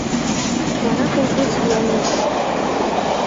Вара колхоз вияҥеш!